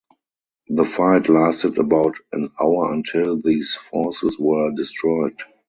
The fight lasted about an hour until these forces were destroyed.